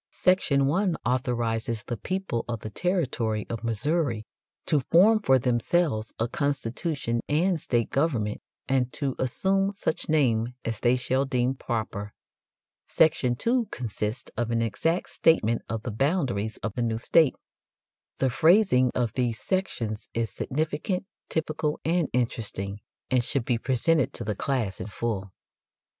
Section 1 authorizes the people of the territory of Missouri "to form for themselves a constitution and state government, and to assume such name as they shall deem proper." Section 2 consists of an exact statement of the boundaries of the new state. The phrasing of these sections is significant, typical, and interesting, and should be presented to the class in full.